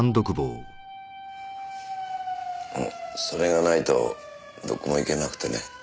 それがないとどこも行けなくてね。